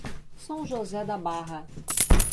São José da Barra